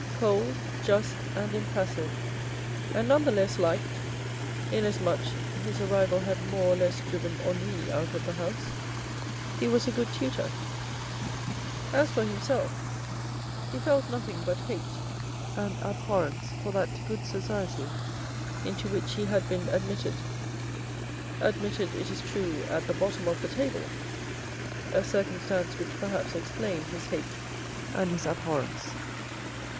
Cold, just and impassive, and none the less liked, inasmuch his arrival had more or less driven ennui out of the house, he was a good tutor. As for himself, he felt nothing but hate and abhorrence for that good society into which he had been admitted ; ad mitted, it is true at the bottom of the table, a circumstance which perhaps explained his hate and his abhorrence.